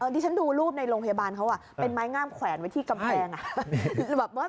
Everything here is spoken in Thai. ดิฉันดูรูปในโรงพยาบาลเขาเป็นไม้งามแขวนไว้ที่กำแพง